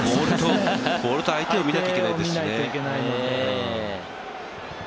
ボールと相手を見なきゃいけない。